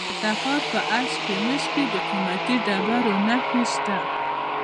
د تخار په اشکمش کې د قیمتي ډبرو نښې دي.